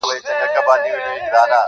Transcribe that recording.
• تر دوو سترګو یې بڅري غورځېدله -